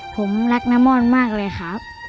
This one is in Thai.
ผมรักนาม่อนมากเลยครับ